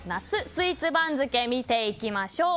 スイーツ番付見ていきましょう。